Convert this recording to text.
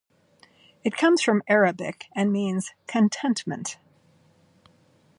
It comes from Arabic and means "contentment".